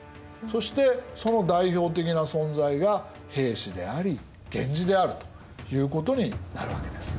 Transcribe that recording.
そしてその代表的な存在が平氏であり源氏であるということになるわけです。